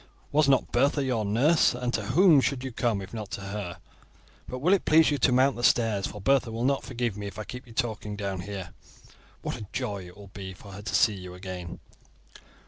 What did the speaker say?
"Was not Bertha your nurse? and to whom should you come if not to her? But will it please you to mount the stairs, for Bertha will not forgive me if I keep you talking down here. What a joy it will be to her to see you again!"